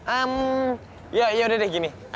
hmm ya yaudah deh gini